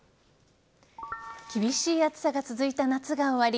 厳しい暑さが続いた夏が終わり